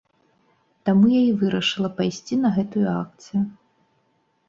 Таму я і вырашыла пайсці на гэтую акцыю.